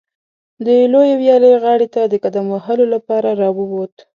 د لویې ویالې غاړې ته د قدم وهلو لپاره راووت.